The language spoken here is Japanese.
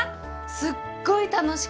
すっごい楽しかったです。